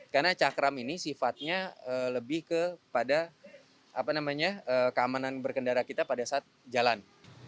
karena cakram ini sifatnya lebih kepada keamanan berkendara kita pada saat jalan